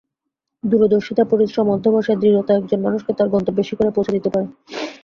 দূরদর্শিতা, পরিশ্রম, অধ্যবসায়, দৃঢ়তা একজন মানুষকে তাঁর গন্তব্যের শিখরে পৌঁছে দিতে পারে।